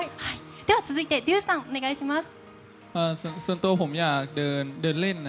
続いて、デューさんお願いします。